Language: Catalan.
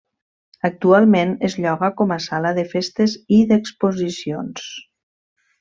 Actualment es lloga com a sala de festes i d'exposicions.